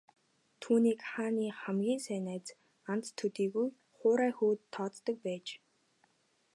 Түүнийг хааны хамгийн сайн анд төдийгүй хуурай хүүд тооцдог байж.